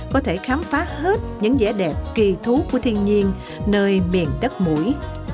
có thể khám phá hết những vẻ đẹp kỳ thú của thiên nhiên nơi miền đất mũi